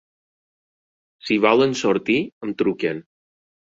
Si volen sortir em truquen.